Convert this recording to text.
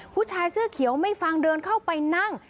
ผู้ชายเสื้อเขียวไม่ฟังเดินเข้าไปนั่ง